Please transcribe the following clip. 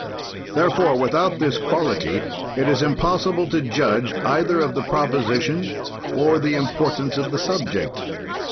"Therefore, without this quality, it is impossible to judge either of the proposition or the importance of the subject.